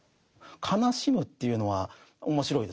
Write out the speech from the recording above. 悲しむというのは面白いですよね。